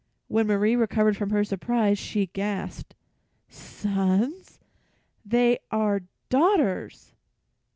When Marie recovered from her surprise, she gasped: "Sons! They are daughters!"